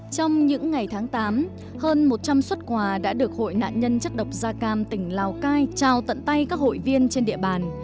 trong những ngày tháng tám hơn một trăm linh xuất quà đã được hội nạn nhân chất độc da cam tỉnh lào cai trao tận tay các hội viên trên địa bàn